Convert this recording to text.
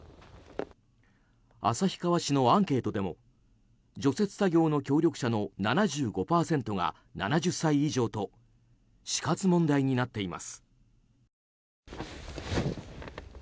旭川市のアンケートでも除雪作業の協力者の７５％が７０歳以上と死活問題になっています。